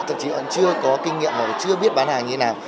thậm chí họ chưa có kinh nghiệm họ chưa biết bán hàng như thế nào